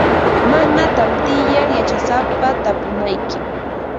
Mana tantiyar yachasapata tapunaykim.